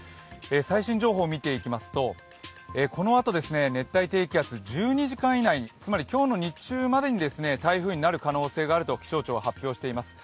最新情報を見ていきますと、このあと熱帯低気圧１２時間以内、つまり今日の日中に台風になる可能性があると気象庁は発表しています。